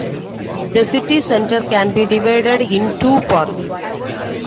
The city centre can be divided in two parts.